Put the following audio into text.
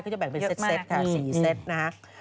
จะแบ่งเป็นเซตค่ะ๔เซตนะฮะ